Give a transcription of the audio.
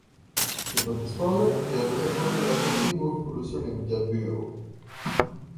To fund his project, Jeffries approached a veteran B-movie producer named Jed Buell.